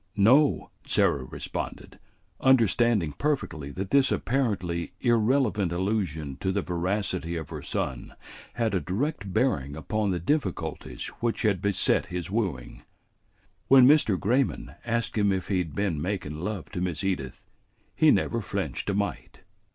"No," Sarah responded, understanding perfectly that this apparently irrelevant allusion to the veracity of her son had a direct bearing upon the difficulties which had beset his wooing; "when Mr. Grayman asked him if he had been makin' love to Miss Edith, he never flinched a mite.